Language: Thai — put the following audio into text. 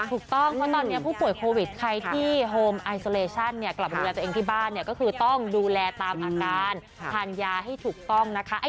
ถูกต้องเพราะตอนนี้ผู้ป่วยโควิดใครที่โฮมไอโซเลชั่นเนี่ยกลับมาดูแลตัวเองที่บ้านเนี่ยก็คือต้องดูแลตามอาการทานยาให้ถูกต้องนะคะ